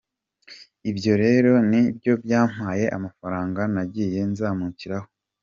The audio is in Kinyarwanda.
Ibyo rero ni byo byampaye amafaranga nagiye nzamukiraho.